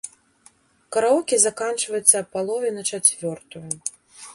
Караоке заканчваецца а палове на чацвёртую.